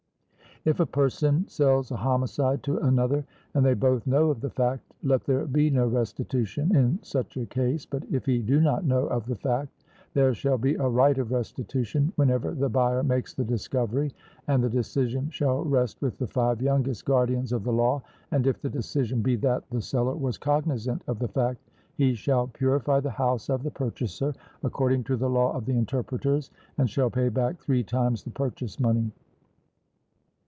If a person sells a homicide to another, and they both know of the fact, let there be no restitution in such a case, but if he do not know of the fact, there shall be a right of restitution, whenever the buyer makes the discovery; and the decision shall rest with the five youngest guardians of the law, and if the decision be that the seller was cognisant of the fact, he shall purify the house of the purchaser, according to the law of the interpreters, and shall pay back three times the purchase money.